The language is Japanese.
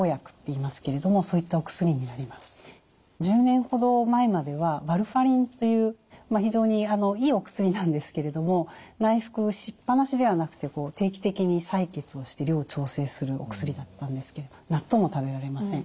１０年ほど前まではワルファリンという非常にいいお薬なんですけれども内服しっぱなしではなくて定期的に採血をして量を調整するお薬だったんですけれど納豆も食べられません。